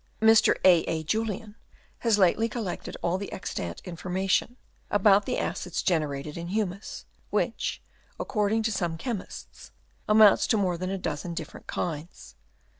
Mr. A. A. Julien has lately collected all the extant information about the acids gen erated in humus, which, according to some chemists, amount to more than a dozen different kinds.